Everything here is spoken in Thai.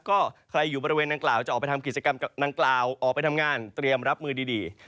ก็ใครอยู่บริเวณนางกล่าวจะออกไปทำกิจกรรมดังกล่าวออกไปทำงานเตรียมรับมือดี